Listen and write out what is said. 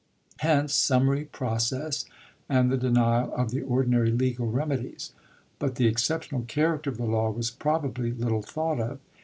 Hence summary process and the denial of the ordinary legal reme dies. But the exceptional character of the law was probably little thought of.